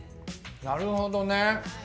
なるほどね。